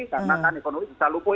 karena kan ekonomi sudah lupuh